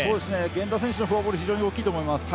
源田選手のフォアボールは非常に大きいと思います。